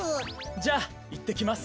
じゃあいってきます。